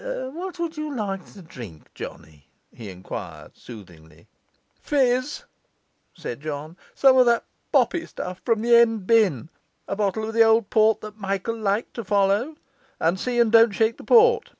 'What would you like to drink, Johnny?' he enquired soothingly. 'Fizz,' said John. 'Some of the poppy stuff from the end bin; a bottle of the old port that Michael liked, to follow; and see and don't shake the port.